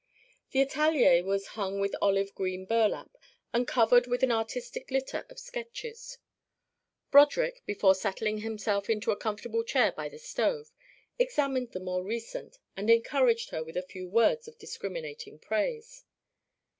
The atelier was hung with olive green burlap and covered with an artistic litter of sketches. Broderick, before settling himself into a comfortable chair by the stove, examined the more recent and encouraged her with a few words of discriminating praise.